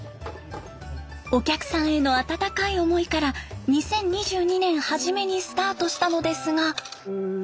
お客さんへの温かい思いから２０２２年初めにスタートしたのですが。